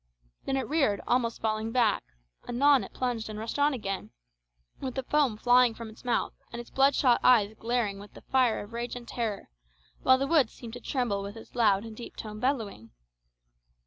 Then it reared, almost falling back; anon it plunged and rushed on again, with the foam flying from its mouth, and its bloodshot eyes glaring with the fire of rage and terror, while the woods seemed to tremble with its loud and deep toned bellowing.